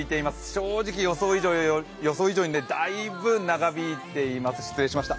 正直、予想以上にだいぶ長引いています、失礼しました。